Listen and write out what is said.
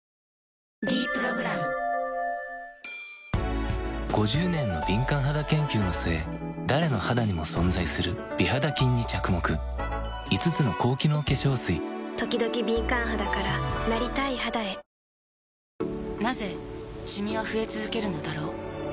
「ｄ プログラム」５０年の敏感肌研究の末誰の肌にも存在する美肌菌に着目５つの高機能化粧水ときどき敏感肌からなりたい肌へなぜシミは増え続けるのだろう